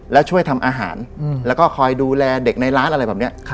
แล้วช่วยทำอาหารแล้วก็คอยดูแลเด็กในร้านอะไรแบบนี้